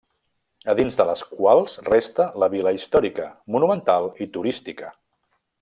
A dins de les quals resta la vila històrica, monumental i turística.